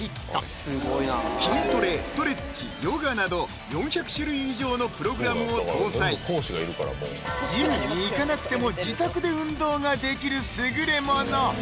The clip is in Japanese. ＭＩＲＲＯＲＦＩＴ．筋トレストレッチヨガなど４００種類以上のプログラムを搭載ジムに行かなくても自宅で運動ができる優れもの！